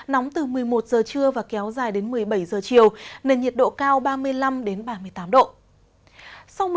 nóng từ một mươi một giờ trưa và kéo dài đến một mươi bảy giờ chiều nên nhiệt độ cao ba mươi năm đến ba mươi tám độ